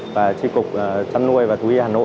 và tri cục chăn nuôi và thú y hà nội